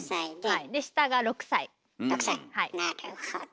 今なるほど。